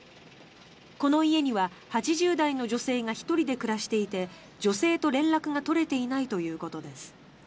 この家には８０代の女性が１人で暮らしていて女性と連絡が取れていないということです。